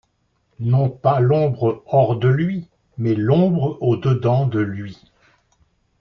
Non pas l’ombre hors de lui, mais l’ombre au dedans de lui.